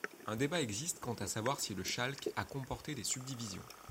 Un débat existe quant à savoir si le chalque a comporté des subdivisions.